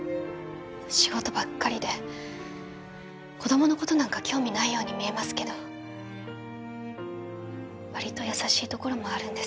仕事ばっかりで子どものことなんか興味ないように見えますけどわりと優しいところもあるんです